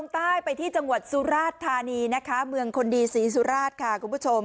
ที่จังหวัดสุราธิ์ธานีมื้องคนดีสีสุราธิ์